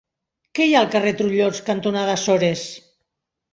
Què hi ha al carrer Trullols cantonada Açores?